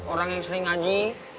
orang yang sering ngaji